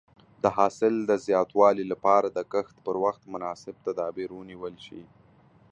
د حاصل د زیاتوالي لپاره د کښت پر وخت مناسب تدابیر ونیول شي.